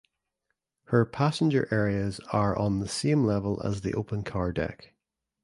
Her passenger areas are on the same level as the open car deck.